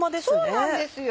そうなんですよ